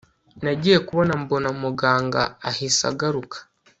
nagiye kubona mbona muganga ahise agaruka